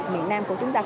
đến các bác